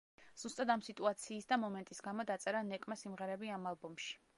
ზუსტად ამ სიტუაციის და მომენტის გამო დაწერა ნეკმა სიმღერები ამ ალბომში.